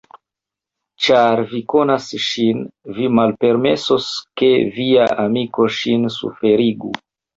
Ĉar vi konas ŝin, vi malpermesos, ke via amiko ŝin suferigu.